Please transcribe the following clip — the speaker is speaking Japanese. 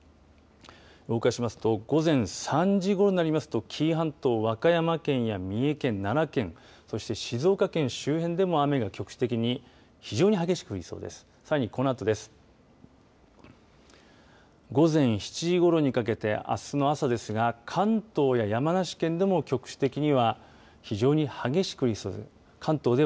動かしますと午前３時ごろになりますと紀伊半島和歌山県や三重県、奈良県そして静岡県周辺でも雨が局地的に非常に激しく降りそうです、このあとです。